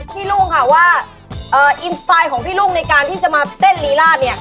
พี่รุ้งค่ะว่าเอ่อในการที่จะมาเต้นลีร่าเนี้ย